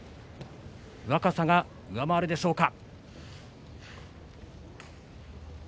若さが上回るでしょうか。